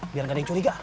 biar gak ada yang curiga